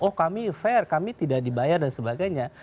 oh kami fair kami tidak dibayar dan sebagainya